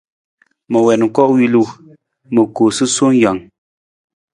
Ma wiin koowilu, ma koo sasuwe jang.